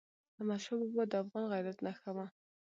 احمدشاه بابا د افغان غیرت نښه وه.